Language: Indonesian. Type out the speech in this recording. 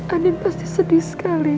andi pasti sedih sekali